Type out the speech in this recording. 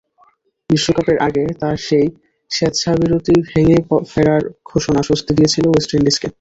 বিশ্বকাপের আগে তাঁর সেই স্বেচ্ছাবিরতি ভেঙে ফেরার ঘোষণা স্বস্তি দিয়েছিল ওয়েস্ট ইন্ডিজকে।